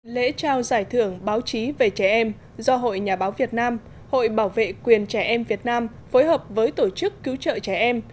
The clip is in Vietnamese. lễ trao giải thưởng báo chí về trẻ em do hội nhà báo việt nam hội bảo vệ quyền trẻ em việt nam phối hợp với tổ chức cứu trợ trẻ em